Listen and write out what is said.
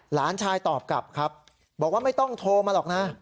หลานชายตอบกลับครับบอกว่าไม่ต้องโทรมาหรอกนะ